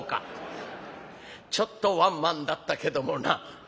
ちょっとワンマンだったけどもな」。